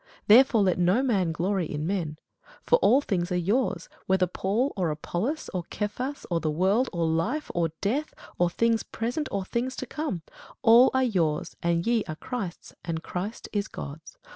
Therefore let no man glory in men. For all things are your's; whether Paul, or Apollos, or Cephas, or the world, or life, or death, or things present, or things to come; all are your's; and ye are Christ's; and Christ is God's.